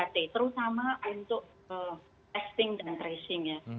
terutama untuk testing dan tracing ya